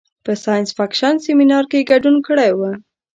په ساینس فکشن سیمنار کې ګډون کړی و.